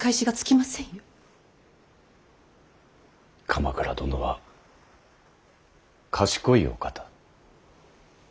鎌倉殿は賢いお方。